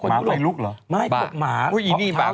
เขาบอกว่าตอนนี้คนยุโรป